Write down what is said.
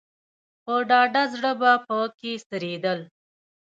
په ډاډه زړه به په کې څرېدل.